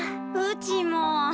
うちも。